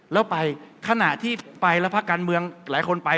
แล้วไปขณะที่ไปแล้วพักกันเมืองไหลคนไป